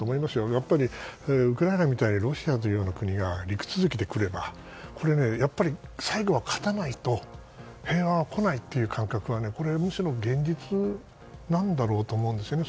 やっぱり、ウクライナみたいにロシアのような国が陸続きならばやっぱり最後は勝たないと平和が来ないという感覚はむしろ現実なんだろうと思うんですよね。